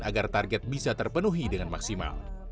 agar target bisa terpenuhi dengan maksimal